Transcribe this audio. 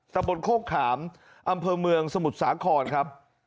ตะบนโคกขามอำเภอเมืองสมุทรสาครครับ